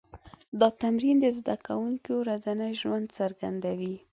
دا تمرین د زده کوونکو ورځنی ژوند څرګندوي.